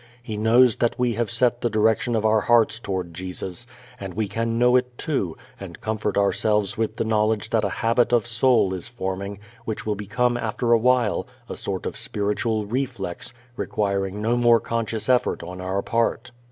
He knows that we have set the direction of our hearts toward Jesus, and we can know it too, and comfort ourselves with the knowledge that a habit of soul is forming which will become after a while a sort of spiritual reflex requiring no more conscious effort on our part.